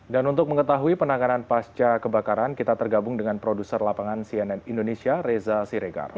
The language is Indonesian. dan untuk mengetahui penanganan pasca kebakaran kita tergabung dengan produser lapangan cnn indonesia reza siregar